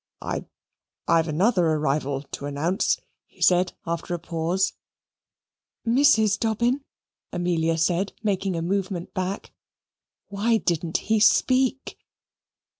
"I I've another arrival to announce," he said after a pause. "Mrs. Dobbin?" Amelia said, making a movement back why didn't he speak?